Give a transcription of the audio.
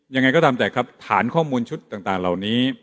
ยังไงก็ตามแต่ครับฐานข้อมูลชุดต่างเหล่านี้